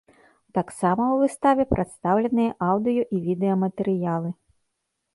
Таксама ў выставе прадстаўленыя аўдыё і відэаматэрыялы.